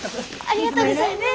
ありがとうございます。